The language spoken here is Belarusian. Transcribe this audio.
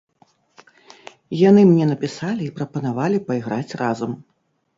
Яны мне напісалі і прапанавалі пайграць разам.